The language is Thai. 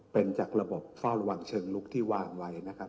เป็นจากระบบเฝ้าระวังเชิงลุกที่วางไว้นะครับ